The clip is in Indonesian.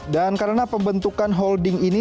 dan karena pembentukan holding ini